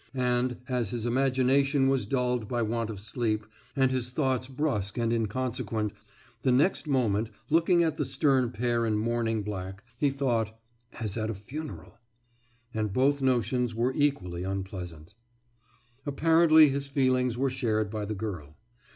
« And, as his imagination was dulled by want of sleep, and his thoughts brusque and inconsequent, the next moment, looking at the stern pair in mourning black, he thought: »As at a funeral.« And both notions were equally unpleasant. Apparently his feelings were shared by the girl.